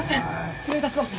失礼いたしました。